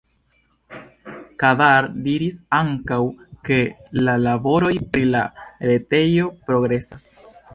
Kadar diris ankaŭ, ke la laboroj pri la retejo progresas.